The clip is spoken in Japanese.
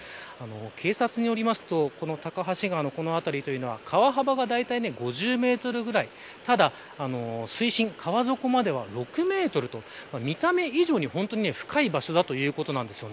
警察によりますとこの高梁川の辺りというのは川幅が大体５０メートルぐらいただ水深川底までは６メートルと見た目以上に深い場所だということです。